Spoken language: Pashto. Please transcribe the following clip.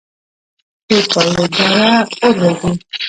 د اطفائیې اداره اور وژني